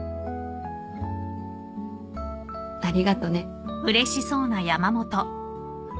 ありがとね。